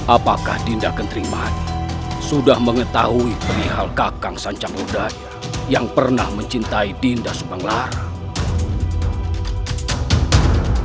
apakah dinda kentrimani sudah mengetahui perihal kakang sancang lodaya yang pernah mencintai dinda subang lara